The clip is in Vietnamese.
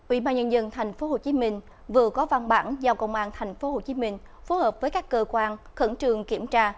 ủy ban nhân dân tp hcm vừa có văn bản giao công an tp hcm phối hợp với các cơ quan khẩn trương kiểm tra